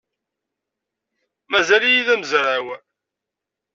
Mazal-iyi d amezraw.